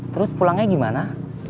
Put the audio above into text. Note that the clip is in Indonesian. terus pulangnya gimana